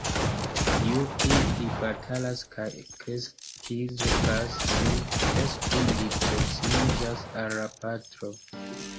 Ju pli li batalas kaj kreskigas sin, des pli li proksimiĝas al la patro.